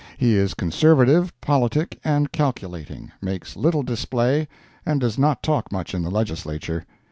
He is conservative, politic and calculating, makes little display, and does not talk much in the Legislature.